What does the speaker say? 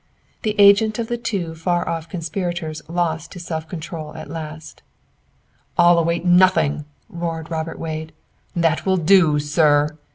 The agent of the two far off conspirators lost his self control at last. "I'll await nothing," roared Robert Wade. "That will do, sir!"